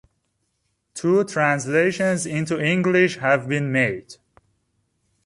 Two translations into English have been made.